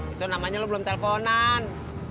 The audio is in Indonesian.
itu namanya lo belum telponan